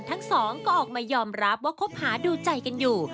ทั้งสองก็ออกมายอมรับว่าคบหาดูใจกันอยู่